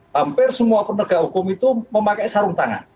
hampir semua penegak hukum itu memakai sarung tangan